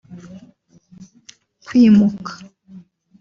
kwimuka